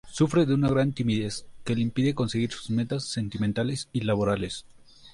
Sufre de una gran timidez, que le impide conseguir sus metas sentimentales y laborales.